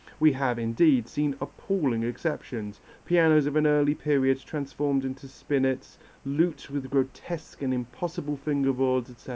We have, indeed, seen appalling exceptions, pianos of an early period transformed into spinets, lutes with grotesque and impossible finger boards, etc.